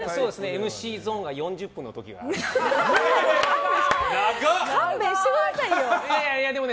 ＭＣゾーンが４０分の時ありますね。